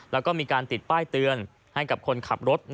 แล้วก็มีการติดป้ายเตือนให้กับคนขับรถ